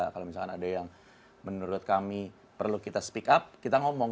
kalau misalkan ada yang menurut kami perlu kita speak up kita ngomong